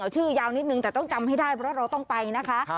ชื่อยาวนิดนึงแต่ต้องจำให้ได้เพราะเราต้องไปนะคะ